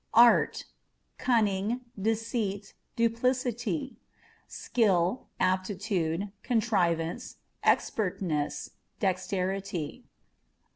Art â€" cunning, deceit, duplicity; skill, aptitude, contrivance, expertness, dexterity.